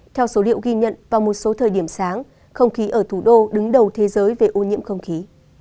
theo số liệu ghi nhận vào một số thời điểm sáng không khí ở thủ đô đứng đầu thế giới về ô nhiễm không khí